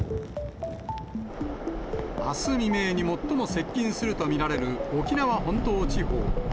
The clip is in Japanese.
あす未明に最も接近すると見られる沖縄本島地方。